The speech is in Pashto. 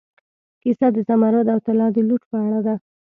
کیسه د زمرد او طلا د لوټ په اړه ده.